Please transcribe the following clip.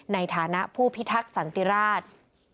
ในฐานะผู้พิทักษ์สันติราช